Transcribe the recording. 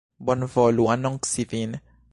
Bonvolu anonci vin.